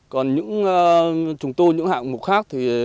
còn những trùng tu những hạng mục khác